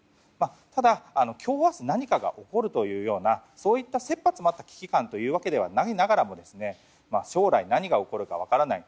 ただ、今日明日何かが起こるというような切羽詰まった危機感というわけではないながらも将来何が起こるか分からない。